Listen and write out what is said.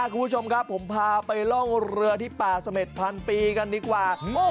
ถึงเมื่อมอบเหรียญก็เต้นล็อบไปด้วย